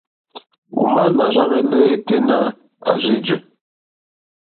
Òmá nà rzá hwɛ̄lɛ̀ yêténá à rzí jè.